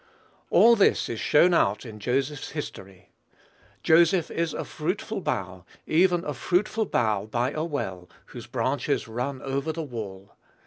All this is shown out in Joseph's history. "Joseph is a fruitful bough, even a fruitful bough by a well, whose branches run over the wall.